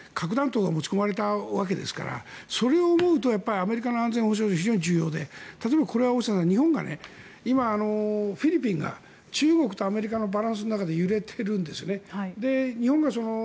あそこに核弾頭が持ち込まれたわけですからそれを思うとアメリカの安全保障上非常に重要で例えば、これは日本が今、フィリピンが中国とアメリカとのバランスの中で揺れてるんですね。